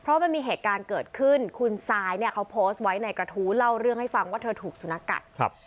เพราะมันมีเหตุการณ์เกิดขึ้นคุณซ้ายเนี่ยเขาโพสต์ไว้ในกระทู้เล่าเรื่องให้ฟังว่าเธอถูกสุนัขกัดครับ